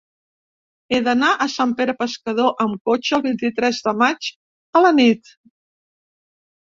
He d'anar a Sant Pere Pescador amb cotxe el vint-i-tres de maig a la nit.